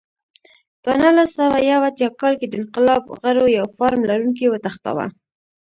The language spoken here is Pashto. په نولس سوه یو اتیا کال کې د انقلاب غړو یو فارم لرونکی وتښتاوه.